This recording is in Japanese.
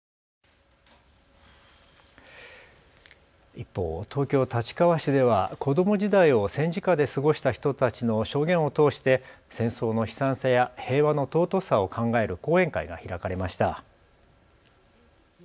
一方、東京立川市では子ども時代を戦時下で過ごした人たちの証言を通して戦争の悲惨さや平和の尊さを考える講演会が開かれました。